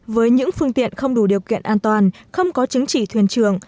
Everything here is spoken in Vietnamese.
với những phương tiện không đủ điều kiện an toàn không có chứng chỉ thuyền trường